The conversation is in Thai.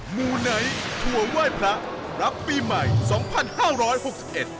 มูไนท์ทัวร์ไหว้พระรับปีใหม่สองพันห้าร้อยหกสิบเอ็ด